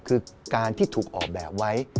คือการที่ถูกออกแบบไว้